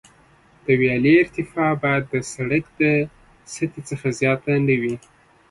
د ویالې ارتفاع باید د سرک د سطحې څخه زیاته نه وي